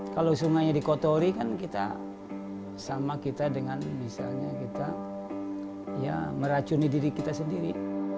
kalau sungainya dikotori kan kita sama kita dengan misalnya kita ya meracuni diri kita sendiri